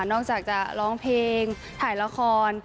อกจากจะร้องเพลงถ่ายละคร